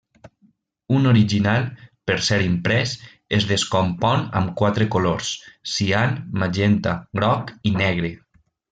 Un original, per ser imprès, es descompon amb quatre colors: cian, magenta, groc i negre.